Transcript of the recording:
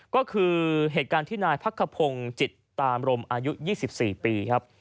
ก็คือเหตุการณ์ที่นายพักขพงศ์จิตตามรมอายุ๒๔ปีครับ